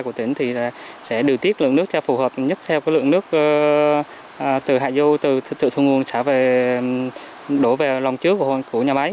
các bang chỉ đạo phòng chống thiên tai của tỉnh sẽ điều tiết lượng nước theo phù hợp nhất theo lượng nước từ hạ du từ thủ nguồn đổ về lòng trước của nhà máy